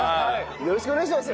よろしくお願いします。